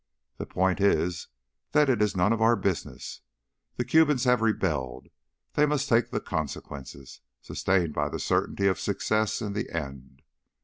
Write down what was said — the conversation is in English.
The point is that it is none of our business. The Cubans have rebelled. They must take the consequences, sustained by the certainty of success in the end.